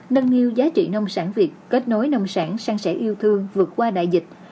nâng niu giá trị nông sản việt kết nối nông sản sang sẻ yêu thương vượt qua đại dịch